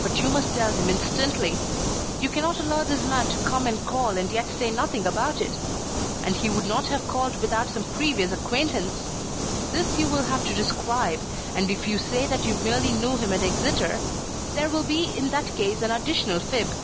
"But you must tell him instantly. You cannot allow this man to come and call and yet say nothing about it. And he would not have called without some previous acquaintance. This you will have to describe, and if you say that you merely knew him at Exeter, there will be in that case an additional fib."